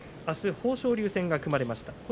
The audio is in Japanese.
あす豊昇龍戦が組まれました。